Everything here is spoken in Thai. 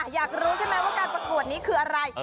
อยากรู้ใช่ไหมว่าการประกวดนี้คืออะไร